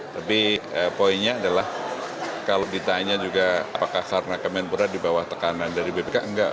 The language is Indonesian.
tapi poinnya adalah kalau ditanya juga apakah karena kemenpora di bawah tekanan dari bpk enggak